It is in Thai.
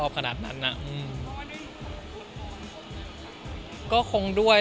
เพราะว่าเรื่องของโบสถ์ก็คงด้วย